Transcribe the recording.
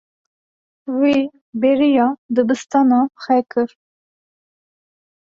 Wê bêriya dibistana xwe kir.